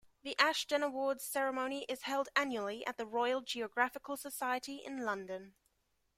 The Ashden Awards ceremony is held annually at the Royal Geographical Society in London.